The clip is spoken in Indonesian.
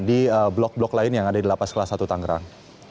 di blok blok lain yang ada di lapas kelas satu tangerang